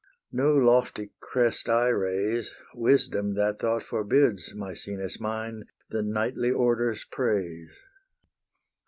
No lofty crest I raise: Wisdom that thought forbids, Maecenas mine, The knightly order's praise.